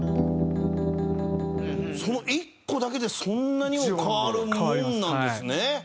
その１個だけでそんなにも変わるもんなんですね。